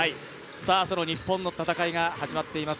その日本の戦いが始まっています。